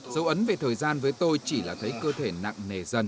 dấu ấn về thời gian với tôi chỉ là thấy cơ thể nặng nề dần